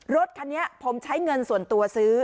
รถคันนี้ผมใช้เงินส่วนตัวซื้อ